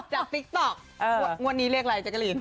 จากติ๊กต๊อกงวดหนีเรียกอะไรแจ๊กาลีน